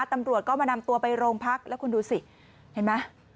ตำรวจก็มานำตัวไปโรงพักแล้วคุณดูสิเห็นไหม